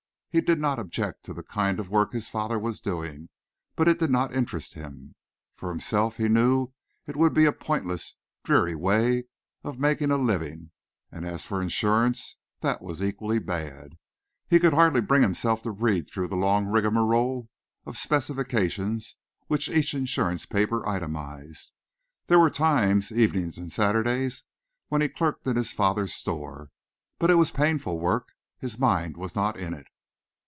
He did not object to the kind of work his father was doing, but it did not interest him. For himself he knew it would be a pointless, dreary way of making a living, and as for insurance, that was equally bad. He could hardly bring himself to read through the long rigamarole of specifications which each insurance paper itemized. There were times evenings and Saturdays when he clerked in his father's store, but it was painful work. His mind was not in it.